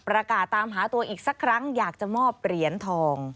ประกาศตามหาตัวอีกสักครั้งอยากจะมอบเหรียญทอง